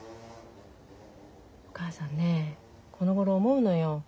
お母さんねこのごろ思うのよ。